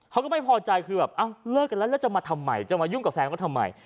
เขาก็ไม่พอใจคือแบบเอ้าเลิกกันแล้วแล้วจะมาทำไมจะมายุ่งกับแฟนเขาทำไม